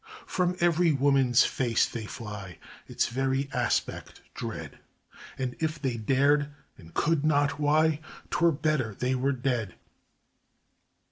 From every woman's face they fly, Its very aspect dread, And if they dared and could not why, 'Twere better they were dead.